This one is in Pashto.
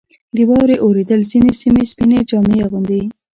• د واورې اورېدل ځینې سیمې سپینې جامې اغوندي.